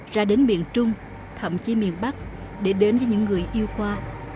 ra đến miền trung thậm chí miền bắc để đến với những người yêu khoa